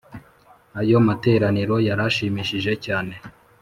Ayo materaniro yaranshimishije cyane